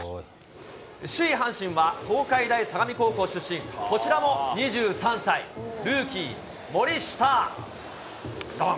首位阪神は、東海大相模高校出身、こちらも２３歳、ルーキー、森下。